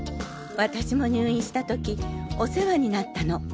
私も入院した時お世話になったの。